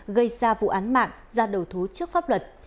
gây ra vụ án mạng ra đầu thú trước pháp luật